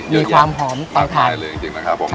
มีความหอมปากทายเลยจริงนะครับผม